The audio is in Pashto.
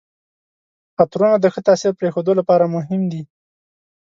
عطرونه د ښه تاثر پرېښودو لپاره مهم دي.